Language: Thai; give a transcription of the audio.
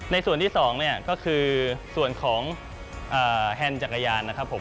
ในส่วนที่สองก็คือส่วนของแฮนด์จากรยาน